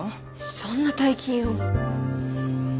そんな大金を。